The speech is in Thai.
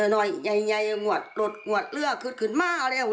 หน่อยเนี้ยไงงวดหลวดเลือกขึ้นขึ้นมาแล้ว